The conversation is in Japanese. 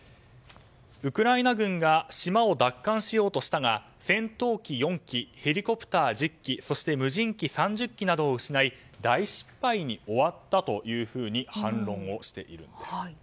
ウクライナ軍が島を奪還しようとしたが戦闘機４機、ヘリコプター１０機そして、無人機３０機などを失い大失敗に終わったと反論をしているんです。